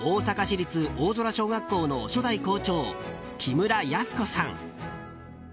立大空小学校の初代校長木村泰子さん。